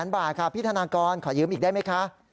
บาทค่ะพี่ธนากรขอยืมอีกได้ไหมคะ